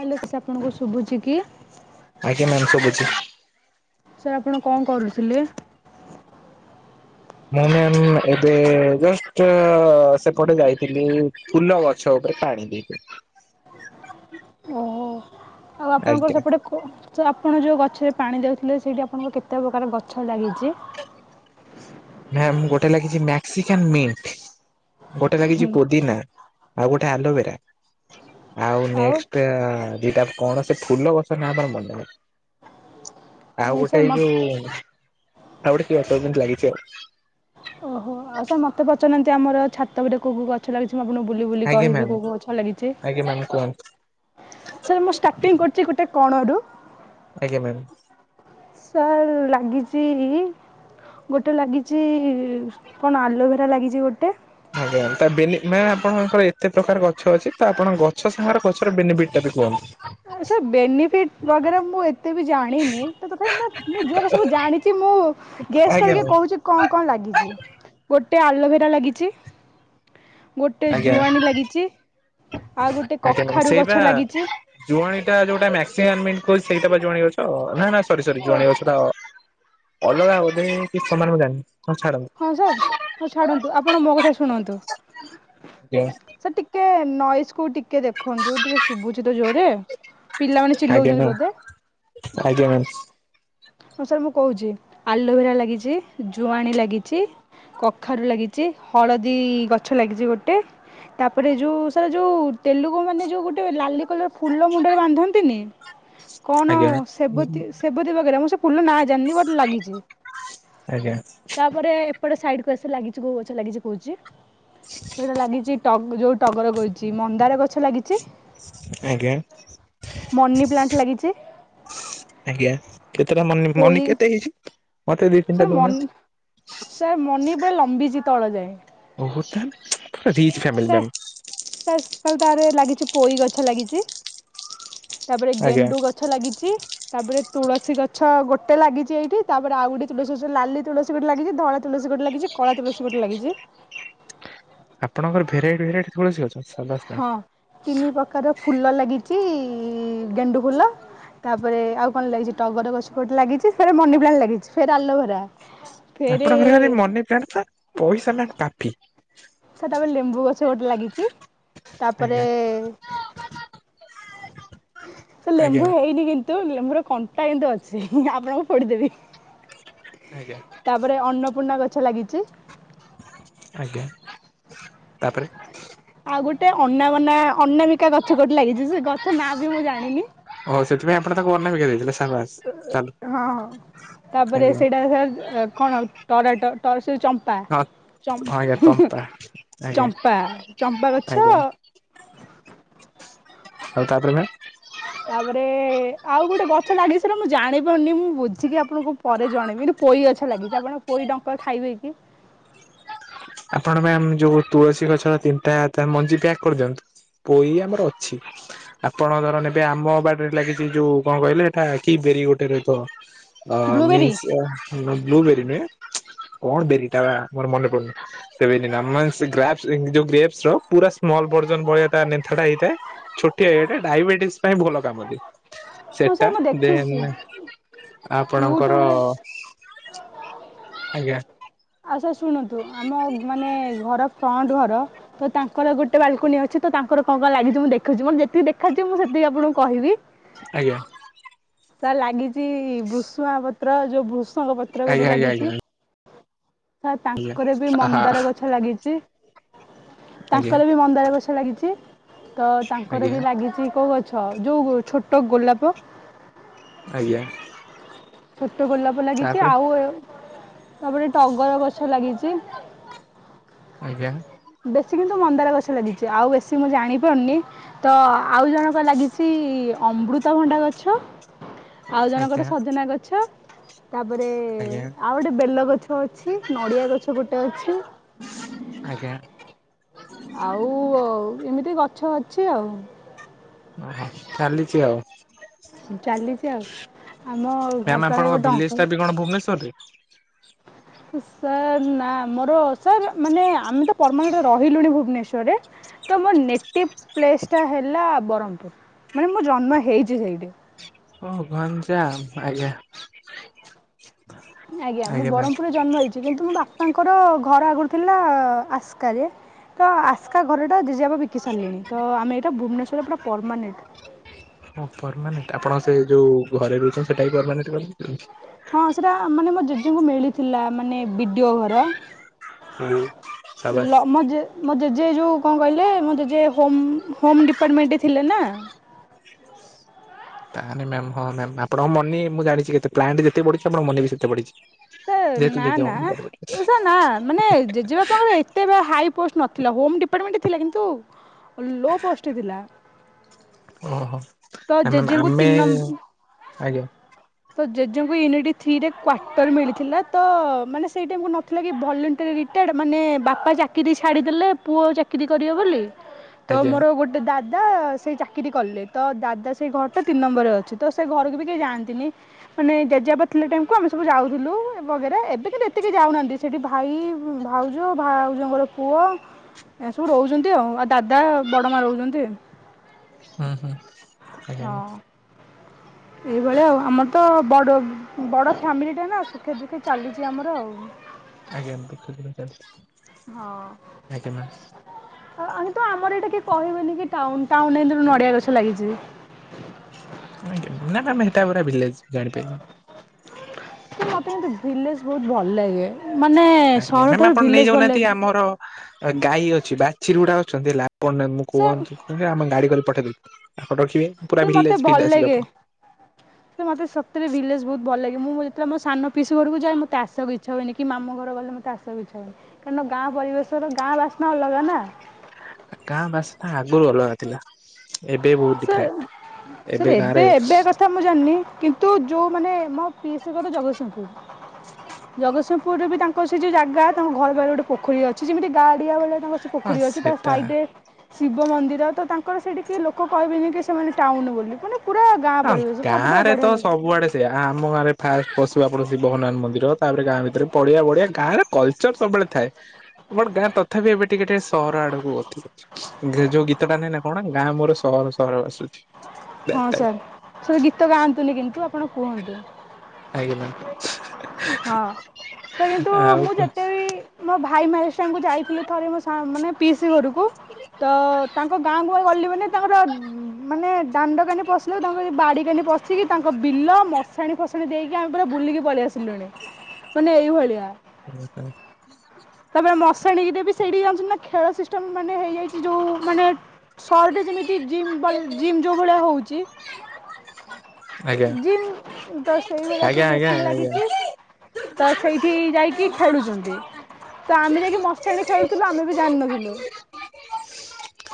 Hello sir ଆପଣଙ୍କୁ ଶୁଭୁଛି କି? ଆଜ୍ଞା ମ୍ୟାମ ସବୁ ଅଛି। ସାର୍ ଆପଣ କଣ କରୁଥିଲେ? ମୁଁ ମ୍ୟାମ ଏବେ ଜଷ୍ଟ୍ ସେପଟେ ଯାଇଥିଲି। ଫୁଲ ଗଛ ଉପରେ ପାଣି ଦେଇଚୁ। ଓହୋ ଆଉ ଆପଣଙ୍କର ଆଜ୍ଞା ସେପଟେ ତ ଆପଣ ଯେଉଁ ଗଛରେ ପାଣି ଦେଉଥିଲେ ସେଇଠି ଆପଣଙ୍କ କେତେ ପ୍ରକାର ଗଛ ଲାଗିଛି? ମ୍ୟାମ ଗୋଟେ ଲାଗିଛି ମେକ୍ସିକନ୍ ମିଣ୍ଟି। ଗୋଟେ ଲାଗିଚି ପୋଦିନା ଆଉ ଗୋଟେ ଆଲୋବେରା। ଆଉ ନେକ୍ସେଟ୍ ଦିଟା କଣ ସେ ଫୁଲ ଗଛ ନାଁଟା ଅଲଗା ହଉ ଆଉ ସାର୍ ଗୋଟେ ମ ଏଇ ଯୋଉ। ଆଉ ଗୋଟେ ପିଆଶାଳ କିନ୍ତୁ ଲାଗିଛି ଆଉ। ଓହୋ ଆଉ ସାର୍ ମତେ ପଚାରୁନାନ୍ତି ଆମର ଛାତଗୋଟେ କୋଉ କୋଉ ରଡ। ଏଠି ଲାଗିଛିନା ବୁଲି ବୁଲି କହିବି କୋଉ କୋଉ ଗଛ ଲାଗିଛି। ଇଏ ମାନେ କଣ? ସାର୍ ମୁଁ ଷ୍ଟାର୍ଟିଂ କରୁଚି ଗୋଟେ କଣରୁ। ଆଜ୍ଞା ମ୍ୟାମ୍। ସାର୍ ଲାଗିଛିଇ। ଗୋଟେ ଲାଗିଛି କଣ ଆଲୋଭେରା ଲାଗିଛି ଗୋଟେ। ଆଜ୍ଞା ତା ବେନି ନା ଆପଣଙ୍କର ଏତେ ପ୍ରକାର ଗଛ ଅଛି ତା। କାରଣ ଗଛ ସାଙ୍ଗରେ ଗଛର ଡେଲି ଭେଟାଭେଟି ହୁଅନ୍ନ୍ତି। ସେ ବେନିଫିଟ୍ ବାବଦରେ ମୁଁ ଏତେ ବି ଜାଣିନି କିନ୍ତୁ ମୁଁ ସବୁ ଜାଣିଚି ମୁଁ। ଗ୍ୟାସ୍ ଆଜ୍ଞା କରିକି ମ୍ୟାମ୍ କହୁଛି କଣ କଣ ଲାଗିଛି ଗୋଟେ ଆଲୋଭେରା ଲାଗିଛି। ଗୋଟେ ଆଜ୍ଞା ଜୁଆଣି ଲାଗିଚି ଆଉ ଗୋଟେ ଆଜ୍ଞା କଖାରୁ ସେଇ ବା ଗଛ ଲାଗିଚି। ଜୁଆଣି ଟା ଯୋଉଟା ନାସିଆ ଆମେ ମନେ କୋହୁଚୁ ସେଇଟା ପା ଜୁଆଣି ଗଛ ନା ନା ସରି ସରି ଓ ଜୁଆଣି ଗଛୁଟା। ଅଲଗା ହବ କି ସମାନ ମୁ ଜାଣିନି ହଁ ଛାଡନ୍ତୁ। ହଁ ସାର୍ ହଁ ଛାଡ଼ନ୍ତୁ ଆପଣ ମୋ କଥା ଶୁଣନ୍ତୁ। [inaudible] ସେ ଟିକେ ନଏସ୍ କୁ ଟିକେ ଦେଖନ୍ତୁ ଟିକେ ଶୁଭୁଛି ତ ଜୋରେ। ଆଜ୍ଞା ସାର୍ ଆଜ୍ଞା ମ୍ୟାମ। ହଁ ସାର୍ ମୁଁ କହୁଛି ଆଲୋଭେରା ଲାଗିଚି ଜୁଆଣି ଲାଗିଚି। କଖାରୁ ଲାଗିଚି ହଳଦୀ ଗଛ ଲାଗିଚି ଗୋଟେ। ତାପରେ ଯେଉଁ ସାର୍ ଯେଉଁ ତେଲୁଗୁ ମାନେ ଯେଉଁ ଗୋଟେ ଲାଲି କଲର ଫୁଲ ମୁଣ୍ଡରେ ବାନ୍ଧନ୍ତିନେହିଁ। [inaudible] କଣ ସେବୀ ସେବତୀ ଲଗେଇଲା ମୁଁ ସେ ଫୁଲ ନାଁ ଜାଣିନି ବଟ ଲାଗିଚି। ଆଜ୍ଞା ତାପରେ ଏପଟେ ସାଇଡ କୁ ଆସି ଲାଗିଚି କୋଉ ଗଛ ଲାଗିଚି କହୁଚି। ସେଇଟା ଲାଗିଚି ଟ ଯୋଉ ଟଗର କୋହୁଚି ମନ୍ଦାର ଗଛ ଲାଗିଚି। ଆଜ୍ଞା ମନି ପ୍ଲାଣ୍ଟ ଲାଗିଛି ଆଜ୍ଞା। କେତେଟା ମନୀ ମନୀ ପୋଇ କେତେ ହେଇଛି। ମତେ ଦି ତିନିଟା ସାର୍ ମନୀ ଦଉନାହାନ୍ତି ସାର୍ ମନୀ ପୁରା ଲମ୍ୱିଚି ତଳ ଯାଏ। ଓ ହୋ ସ୍ୟନ୍ ପୁରା ରିଚି ଫାମିଲି ମ୍ୟନ୍। ସାର୍ ତାଆରେ ଲାଗିଛି ପୋଇ ଗଛ ଲାଗିଚି ତାପରେ ଆଜ୍ଞା। ଗେଣ୍ଡୁ ଗଛ। ଗଛ ଲାଗିଛି ତାପରେ ତୁଳସୀ ଗଛ ଗୋଟେ ଲାଗିଛି ଏଇଠି ତାପରେ ଆଉ ଗୋଟେ ତୁଳସୀ ଗଛ ଲାଲି ତୁଳସୀ। ଗୋଟେ ଲାଗିଚି ଧଳା ତୁଳସୀ ଗୋଟେ ଲାଗଚି କଳା ତୁଳସୀ ଗୋଟେ ଲାଗିଚି। ଆପଣଙ୍କର ଭେରାଇଟି ଭେରାଇଟି ତୁଳସୀ ଗଛ ସାବାସ୍। ମ୍ୟାମ୍ ହଁ ତିନି ପ୍ରକାର ଫୁଲ ଲାଗିଚି ଗେଣ୍ଡୁ ଫୁଲ। ତାପରେ ଆଉ କଣ ଲାଗିଛି ଟଗର ଗଛପଟ ଲାଗିଛି ଫେରେ ମନି ପ୍ଲାଣ୍ଟ ଲାଗିଛି ଫେର ଆଲୋଭେରା ଫେରେ ସେଣ [inaudible] ପଇସା ମାନେ କାଫି। ସେଟା ବି ଲେମ୍ବୁ ଗଛ ଗୋଟେ ଲାଗିଛି ତାପରେ ଆଜ୍ଞା ସେ ଆଜ୍ଞା ଲେମ୍ବୁ ହେଇନି କିନ୍ତୁ ଲେମ୍ବୁର କଣ୍ଟା କିନ୍ତୁ ଅଛି ଆପଣଙ୍କୁ ଫୋଡିଦେବି। ଆଜ୍ଞା। ତାପରେ ଅନ୍ନପୂର୍ଣ୍ଣା ଗଛ ଲାଗିଛି। ଆଜ୍ଞା ତାପରେ? ଆଉ ଗୋଟେ ଅନାବନା ଅନାମିକା ଗଛ ଗୋଟେ ଲାଗିଛି ସେ ଗଛ ନାଁ ବି ମୁଁ ଜାଣିନି। ଓହ ସେଥିପାଇଁ ଆପଣ ତାକୁ ଅନାମିକା ଦେଇଥିଲେ ସାଙ୍ଗ ହଁ ହଁ ତାପରେ ଆଜ୍ଞା। ସେଇଟା ସ କଣ ଟରାଟ ଟ ସେ ଚ ଚମ୍ପା ହଁ ଚମ୍ ହଁ ଆଜ୍ଞା ତମ୍ପା ଆଜ୍ଞା ଚମ୍ପା ଗଛ ଆଜ୍ଞା। ଆଉ ତାପରେ ନା ତାପରେ ଆଉ ଗୋଟେ ଗଛ ଲାଗି ସେଟା ମୁଁ ଜାଣିପାରୁନି ମୁଁ ବୁଝିକି ଆପଣଙ୍କୁ ପରେ ଜଣେଇବି କିନ୍ତୁ ପୋଇ ଗଛ ଲାଗିଛି ଆପଣ ପୋଇଡଙ୍କ ଖାଇବେ କି? ଆପଣ ମ୍ୟାମ ଜଉ ଯୋଉ ତୁଳସୀ ଗଛଟା ତିନ୍ତା ତା ମଞ୍ଜି ପ୍ୟାକ୍ କରିଦିଅନ୍ତୁ। ପୋଇ ଆମର ଅଛି। ଆପଣଙ୍କର ନେବେ ଆମ ବାଡିରେ ଲାଗିଛି ଯୋଉ କଣ କହିଲେ ଏଟା କି ବେରି ଗୋଟେ ରହିଥ ଅ ବ୍ଲୁବେରୀ ମିନ୍ସ ବ୍ଲୁବେରି ନୁହେ କଣ ବେରି ଟା ମୋର ମନେ ପଡୁନି। [unintelligible] ଗ୍ରେପସ୍ ର ପୁରା ସ୍ମଲ୍ ଭରଜନ୍ ଭଳିଆ ନେନ୍ଥା ଟା ହେଇଥାଏ। ଛୋଟିଆ ଇଏଟା ଡାଇବେଟିସ ପାଇଁ ଭଲ କାମ ଦିଏ। ହଁ ସେଟା ସାର୍ ମୁଁ ଦେନ୍ ଦେଖିଛି ଆପଣଙ୍କର ୟୁଟ୍ୟୁବରେ ଆଜ୍ଞା। ଆଚ୍ଛା ଶୁଣନ୍ତୁ ଆମ ମାନେ ଘର ଫ୍ରଣ୍ଟ ଘର ତ ତାଙ୍କର ଗୋଟେ ବାଲକୁନୀ ଅଛି ତ ତାଙ୍କର କଣ କଣ ଲାଗିଚି ମୁଁ ଦେଖୁଛି ମତେ ଯେତିକି ଦେଖାଯିବ ମୁଁ ସେତିକି ଆପଣଙ୍କୁ କହିବି। ଆଜ୍ଞା। ସାର ଲାଗିଛି ବୃଷୁଆ ପତ୍ର ଯୋଉ ଭୃସଙ୍ଗ ପତ୍ର ଆଜ୍ଞା ଗୋଟେ ଆଜ୍ଞା ଆଜ୍ଞା। ଲାଗିଛି। ତ ତାଙ୍କର ବି ଆହା ମନ୍ଦାର ଗଛ ଲାଗିଛି। ଆଜ୍ଞା ତାଙ୍କର ବି ମନ୍ଦାର ଗଛ ଲାଗିଛି। ତ ତାଙ୍କର ଆଜ୍ଞା ବି ଲାଗିଛି କଉ ଗଛ ଯଉ ଛୋଟ ଗୋଲାପ। ଆଜ୍ଞା। ଛୋଟ ଗୋଲାପ ଲାଗିଛି ତାପରେ ଆଉଏଅ ତାପରେ ଟଗର ଗଛ ଲାଗିଛି। ଆଜ୍ଞା। ବେଶୀ କିନ୍ତୁ ମନ୍ଦାର ଗଛ ଲାଗିଛି ଆଉ ବେଶୀ ମୁଁ ଜାଣିପାରୁନି ତ ଆଉ ଜଣକ ଲାଗିଛି ଅମୃତଭଣ୍ଡା ଗଛ। ଆଉ ଜଣଙ୍କର ଗୋଟେ ଆଜ୍ଞା ସଜନା ଗଛ ତାପରେ ଆଜ୍ଞା ଆଉ ଗୋଟେ ବେଲ ଗଛ। ଅଛି ନଡ଼ିଆ ଗଛ ଗୋଟେ ଅଛି। ଆଜ୍ଞା। ଆଉ ଏମିତି ଗଛ ଅଛି ଆଉ। ଓହୋ ଚାଲିଛି ଆଉ। ଚାଲିଛି ଆଉ ଆମ ଘର ମ୍ୟାମ୍ ପାଖରେ ଆପଣଙ୍କ ଗୋଟେ ଭିଲେଜ ଅଙ୍କଲ ଟା ବି କଣ ଭୁବନେଶ୍ୱର ରେ? ସାର୍ ନା ମୋର ସାର୍ ମାନେ ଆମେ ତ ପରମାନେଟ ରହିଲୁଣି ଭୁବନେଶ୍ୱର ରେ। ତ ମୋ ନେଟିଭ୍ ପ୍ଲେସଟା ହେଲା ବରମପୁର ମାନେ ମୁଁ ଜନ୍ମ ହେଇଛି ସେଇଠି। ଓ ଗଞ୍ଜାମ ଆଜ୍ଞା। ଆଜ୍ଞା ମୁଁ ବ୍ରହ୍ମପୁରରେ ଜନ୍ମ ହେଇଛି କିନ୍ତୁ ମୋ ବାପାଙ୍କର ଘର ଆଗରୁ ଥିଲା ଆସ୍କାରେ। ତ ଆସ୍କା ଘରଟା ଜେଜେବା ବିକି ସାରିଲେଣି ତମେ ଏଇଟା ଭୁବନେଶ୍ୱରରେ ପୁରା ପରମାନେଣ୍ଟ। ହଁ ପରମାନେଣ୍ଟ ଆପଣ ସେ ଯୋଉ ଘରେ ରହୁଛନ୍ତି ସେଟା ହିଁ ପରମାନେଣ୍ଟ କର [unintelligible] ହଁ ସେଟା ମାନେ ମୋ ଜେଜେଙ୍କୁ ମିଳିଥିଲା ମାନେ ବିଡିଓ ଘର। ହୁଁ [unintelligible] ସାବାସ୍। ମୋ ଜେଜେ ଯୋଉ କଣ କହିଲେ ମୋ ଜେଜେ ହୋ ହୋମ ଡିପାର୍ଟମେଣ୍ଟରେ ଥିଲେ ନା। ତା ନଁ ମ୍ୟାମ ହଁ ମ୍ୟାମ୍ ଆପଣଙ୍କ ମନି ମୁଁ ଜଣିଛି କେତେ ପ୍ଲାନ୍ଟ ଯେତେ ବଢିଛି ଆପଣଙ୍କ ମନି ବି ସେତେ ବଢ଼ିଛି। ସେ ନା ନା ସେ ନା। ମାନେ ଜେଜେବାପାଙ୍କର ଏତେ ହାଇ ପୋଷ୍ଟ ନଥିଲା ହୋମ ଡିପାର୍ଟମେଣ୍ଟ ଥିଲା, କିନ୍ତୁ ଲୋ ପୋଷ୍ଟ ଥିଲା। ଓହ ତ ତାଲେ ଜେଜେଙ୍କୁ ଆମେ ତିନି ନମ୍ବର ଆଜ୍ଞା। ତ ଜେଜେଙ୍କୁ ୟୁନିଟ ଥ୍ରୀରେ କ୍ଵାର୍ଟର ମିଳିଥିଲା ତ ମାନେ ସେଇଟା ନଥିଲା କି [unintelligible] [unintelligible] ମାନେ ବାପା ଚାକିରି ଛାଡ଼ିଦେଲେ ପୁଅ ଚାକିରି କରିବ ବୋଲି। [unintelligible] ତ ମୋର ଗୋଟେ ଦା ଦାଦା ସେଇ ଚାକିରି କଲେ ତ ଦାଦା ସେଇ ଘରଟା ତିନି ନମ୍ବରରେ ଅଛି ତ ସେ ଘରକୁ ବି କେହି ଯାଆନ୍ତିନି। ମାନେ ଜେଜେବାପା ଥିଲା ଟାଇମକୁ ଆମେ ସବୁ ଯାଉଥିଲୁ ବଗରା ଏବେ କିନ୍ତୁ ଏତିକେହି ଯାଉନାହାନ୍ତି। ସେଠି ଭାଇ ଭାଉଜ ଭାଉଜଙ୍କର ପୁଅ। ଏ ସବୁ ରହୁଛନ୍ତି ଆଉ ଆଉ ଦାଦା ବଡ଼ ମା ରହୁଛନ୍ତି। ହୁଁ ହୁଁ [inaudible] ହଁ। ଏଇଭଳିଆ ଆଉ ଆମର ତ ବଡ଼ ବଡ଼ ଫ୍ୟାମିଲିଟା ନା ସୁଖେ ଦୁଃଖେ ଚାଲିଛି ଆମର ଆଉ। ଆଜ୍ଞା [unintelligible] ହଁ। ଆଜ୍ଞା ମ୍ୟାମ୍ ଆ [unintelligible] ତୁ ଆମର ଏଇଟା କି କହିବେନି କି ଟାଉନ ଟାଉନ ନଡିଆ ଗଛ ଲାଗିଛି। [inaudible] ଆଜ୍ଞା ନା [unintelligible] ପୁରା ଭିଲେଜ ଜାଣିପାରିଲି। ମତେ କିନ୍ତୁ ଭିଲେଜ ବହୁତ ଭଲ ଲାଗେ। ମାନେ ଆଜ୍ଞା ମ୍ୟାମ୍ ସହରଠାରୁ ଆପଣ ଭିଲେଜ ଭଲ ନେଇଯାଉନାହାନ୍ତି ଲାଗେ। ଆମର ଗାଈ ଅଛି ବାଛିରୀ ଗୁଡା ଅଛନ୍ତି ହେଲ ପଣ ସେ [unintelligible] ଆମେ ଗାଡି କରି [unintelligible] ରଖିବେ ସେ ପୁରା ମତେ ଭିଲେଜ ଭଲ ଲାଗେ। [unintelligible] ମତେ ସତରେ ଭିଲେଜ ବହୁତ ଭଲ ଲାଗେ, ମୁଁ ଯେତେବେଳେ ମୋ ସାନ ପିଇସି ଘରକୁ ଯାଏ ମତେ ଆସିବାକୁ ଇଛା ହୁଏନି ମାମୁ ଘର ଗଲେ ମତେ ଆସ ଛ କାରଣ ନା ଗାଁ ପରିବେଶର ଗାଁ ବାସ୍ନା ଅଲଗା ନା। ଗାଁ ବାସ୍ନା ଆଗରୁ ଅଲଗା ଥିଲା। ଏବେ ବହୁତ ସେ ଡିଫରେଣ୍ଟ, ଏବେ ଗାଁରେ ସେକଥା ମୁଁ ଜାଣିନି କିନ୍ତୁ ଯୋଉ ମାନେ ମୋ ପିଇସି ଘର ଜଗସିଂହପୁର। ଜଗତସିଂହପୁରରେ ବି ତାଙ୍କ ସେ ଯୋଉ ଜାଗା ତାଙ୍କ ଘର ବାରେ ଗୋଟେ ପୋଖରୀ ଅଛି ଯେମିତି [unintelligible] ଭଳିଆ ତାଙ୍କର ସେ ହଁ ପୋଖରୀ ଅଛି ତା ସେଟା ସାଇଡରେ ଶିବ ମନ୍ଦିର ତ ତାଙ୍କର ସେଇଠି କିଏ ଲୋକ କହିବେନି କି ସେମାନେ ଟାଉନ ବୋଲି ମାନେ ପୁରା ଗାଁ ହଁ ପରିବେଶ ମୋତେ ଗାଁ ପୁରା ରେ ତ ବଢ଼ିଆ ଲାଗେ ସବୁଆଡେ ସେ ଆମ ଗାଁରେ ଫାଷ୍ଟ ପଶୁଆପ ଶିବ ହନ ମନ୍ଦିର ତାପରେ ଗାଁ ଭିତରେ ପଡିଆ ବଢିଆ ଗାଁରେ [unintelligible] ସବୁବେଳେ ଥା ବଟ ଗାଁ ତଥାପି ଏବେ ଟିକେ ଟିକେ ସହର ଆଡକୁ ଗତି କରୁଛି। ଯୋଉ ଗୀତଟା ନାଇଁ ନା କଣ ଗାଁ ମୋର ସହର ସହର ବାସୁଛି। ଦ୍ୟାଟ ହଁ ଟାଇପ। ସାର୍ ସେ ଗୀତ ଗାଆନ୍ତୁନି କିନ୍ତୁ ଆପଣ କୁହନ୍ତୁ? ଆଜ୍ଞା ମ୍ୟାମ ହଁ ସେ କିନ୍ତୁ ଆଉ ମୁଁ ଯେତେ ବି ମୋ ଭାଇ ମାରେଜ ଟାଇମକୁ ଯାଇଥିଲି ଥରେ ମୋ ସା ମାନେ ପିଇସି ଘରକୁ। ତ ତାଙ୍କ ଗାଁକୁ ମାନେ ଗଲି ମାନେ ତାଙ୍କର ମାନେ ଦାଣ୍ଡ କାନି ପସିଲୁ ତାଙ୍କ ବାଡ଼ି କାନି ପଶିକି ତାଙ୍କ ବିଲ ମଶାଣି ଫସାଣି ଦେଇକି ଆମେ ପୁରା ବୁଲିକି ପଲେଇଆ ସିଲୁଣି। ମାନେ ଏଇଭଳିଆ। ତାପରେ ମଶାଣୀ ଟା ବି ସେଇଠି ଯାଉଚନ୍ତି ନା ଖେଳ ସିଷ୍ଟମ ମାନେ ହେଇଯାଇ ଯୋଉ ମାନେ [unintelligible] ଜିମ୍ ବଲ୍ ଜିମ୍ ଯୋଉ ଭଳିଆ ହଉଚି ଆଜ୍ଞା ଜିମ୍ ତ ସେଇଭଳିଆ ଆଜ୍ଞା ସବୁ ଆଜ୍ଞା ମେସିନ୍ ଆଜ୍ଞା। ଲାଗିଚି। ତ ସେଇଠି ଯାଇକି ଖେଳୁଛନ୍ତି। ତ ଆମେ ଯାଇକି ମସାଣି ରେ ଖେଳୁଥିଲୁ ଆମେ ବି ଜାଣିନଥିଲୁ।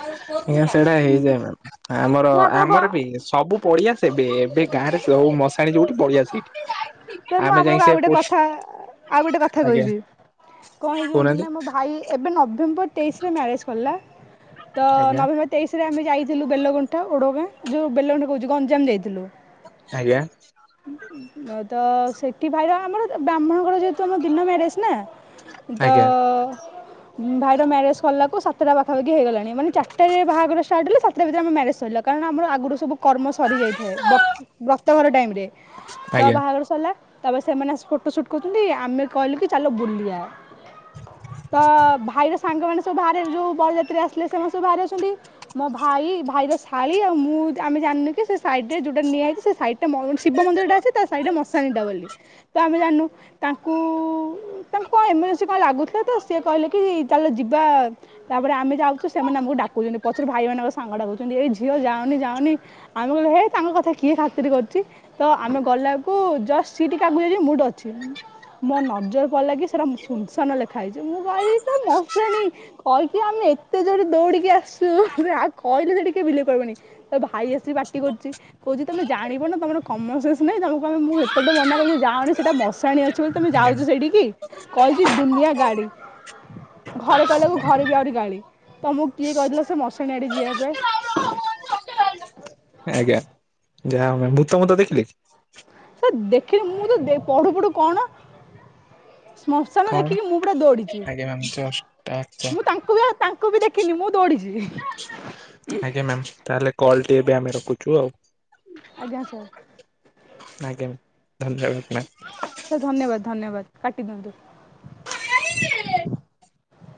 ଆଜ୍ଞା ସେଇଟା ହେଇଯାଏ ମ୍ୟାମ୍। ଆମର ଆପଣଙ୍କୁ ଆମର ବି ସବୁ ପଡିଆ ସେବେ ଏବେ ଗାଁରେ ଯୋଉ ମଶାଣି ଯୋଉଠି ପଡିଆ ସେଇଠି। ସାର୍ ମୁଁ ଆମେ ଯାଇ ଆପଣଙ୍କୁ ସେ ଆଉ ଗୋଟେ କଥା ଆଉ ଗୋଟେ କଥା ଆଜ୍ଞା କହିବି। କଣ ହେଇଚି ଜାଣିଛନ୍ତି କହୁନାହାନ୍ତି ନା ମୋ ଭାଇ ଏବେ ନଭେମ୍ବର ତେଇଶିି ରେ ମ୍ୟାରେଜ୍ କଲା। ତ ଆଜ୍ଞା ନଭେମ୍ବର ତେଇଶିି ରେ ଆମେ ଯାଇଥିଲୁ ବେଲଗଣ୍ଠା ଓଡଗାଁ ଯୋଉ ବେଲଗଣ୍ଠା କହୁଚି ଗଞ୍ଜାମ ଯାଇଥିଲୁ। ଆଜ୍ଞା। [unintelligible] ତ ସେଇଠି ଭାଇର ଆମର ବ୍ରାହ୍ମଣଘର ଯେହେତୁ ଆମ ଦିନ ମ୍ୟାରେଜ ନା। ତ ଆଜ୍ଞା। ଆଜ୍ଞା ଭାଇର ମ୍ୟାରେଜ୍ ସଇଲାକୁ ସାତଟା ପାଖାପାଖି ହେଇଗଲାଣି। ମାନେ ଚାରିଟାରେ ବାହାଘର ଷ୍ଟାର୍ଟ ହେଲା ସାତ ତା ଭିତରେ ଆମ ମ୍ୟାରେଜ୍ ସରିଲା। କାରଣ ଆମର ଆଗରୁ ସବୁ କର୍ମ ସରିଯାଇଥାଏ। ବ୍ରତଘର ଟାଇମ୍ ରେ‌। ତ ବାହାଘର ସରିଲା। ତାପରେ ସେମାନେ ଆସି ଫଟୋ ସୁଟ୍ କରୁଛନ୍ତି, ଆମେ କହିଲୁ କି ଚାଲ ବୁଲିବା। ତ ଭାଇର ସାଙ୍ଗମାନେ ସବୁ ବାହାରେ ଯୋଉ ବରଯାତ୍ରୀ ଆସିଲେ ସେମାନେ ସବୁ ବାହାରେ ଅଛନ୍ତି। ମୋ ଭାଇ ଭାଇର ଶାଳୀ ଆଉ ମୁଁ ଆମେ ଜାଣିନୁ କି ସେ ସାଇଡ ରେ ଯୋଉଟା ନିଆହେଇଚି ସେଇ ସାଇଟ୍ ଶିବ ମନ୍ଦିର ଟା ଅଛି ତା ସାଇଡଟ୍ ରେ ମଶ୍ ଶାଣି ଟା ବୋଲି। ତ ଆମେ ଜାଣିନୁ। ତାଙ୍କୁ ତାଙ୍କୁ କଣ ଏମର୍ଜନ୍ସି କଣ ଲାଗୁଥିଲା ତ ସେ କହିଲେ କି ଚାଲ ଯିବା‌ ତାପରେ ଆମେ ଯାଉଚୁ ସେମାନେ ଆମକୁ ଡାକୁଛନ୍ତି ପଛରେ ଭାଇ ମାନଙ୍କ ସାଙ୍ଗ ଡାକୁଛନ୍ତି ଏଇ ଝିଅ ଯାଓନି ଯାଓନି ଆମେ କହିଲୁ ହେ ତାଙ୍କ କଥା କିଏ ଖାତିରି କରୁଚି। ତ ଆମେ ଗଲା ବେଳକୁ ଜଷ୍ଟ ସିଏ ଟିକେ‌ ଆଗକୁ ଯାଇଛନ୍ତି ମୁଁ ଏଠି ଅଛି ମୋ ନଜର ପଡ଼ିଲା କି ସେଇଟା ସୁନସାନ ଲେଖା ହେଇଚି, ମୁଁ କହିଲି ତ ମଶାଣୀ କହିକି ଆମେ ଏତେ ଜୋର ଦୌଡିକି ଆସିଚୁ ଆ କହିଲେ ସେଠି କିଏ ବିଲିଭ୍ କରିବନି। ତ ଭାଇ ଆସିକି ପାଟି କରୁଚି। କହୁଚି ତମେ ଜାଣିବ ନା ତମର କମନ୍ସେନ୍ସ ନାହିଁ, ତମକୁ ଆମେ ମୁଁ ହେ ହେତେବେଳ ଠୁ ମନା କରୁଚି ଯାଓନି ସେଟା ମଶାଣି ଅଛି ବୋଲି ତମେ ଯାଉଚ ସେଇଠିକି କହିକି ଦୁନିଆ ଗାଳି। ଘରେ କହିଲାକୁ ଘରେ ବି ଆହୁରି ଗାଳି। ତମକୁ କିଏ କହିଥିଲା ସେ ମଶାଣି ଆଡେ ଯିବା ପାଇଁ। ଆଜ୍ଞା। ଯାହା ହଉ ମ୍ୟାମ୍ ଭୂତ ଫୁତ ଦେଖିଲି? ସାର୍ ଦେଖିଲି ମୁଁ ତ ପଢୁ ପଢୁ କଣ ଶ୍ମଶାନ କଣ ଦେଖିକି ମୁଁ ପୁରା ଦୌଡିଚି। ଆଜ୍ଞା ମ୍ୟାମ ଜଷ୍ଟ ଆଚ୍ଛା ମୁଁ ତାଙ୍କୁ ବି ଆଉ ତା ତାଙ୍କୁ ବି ଦେଖିନି ମୁଁ ଦୌଡିଚି। ଆଜ୍ଞା ମ୍ୟାମ୍। ତାହେଲେ କଲ୍ ଟି ଏବେ ଆମେ ରଖୁଚର ଆଉ। ଆଜ୍ଞା ସାର୍। ଆଜ୍ଞା ଧନ୍ୟବାଦ ମ୍ୟାମ୍। ସାର୍ ଧନ୍ୟବାଦ ଧନ୍ୟବାଦ କାଟି ଦିଅନ୍ତୁ।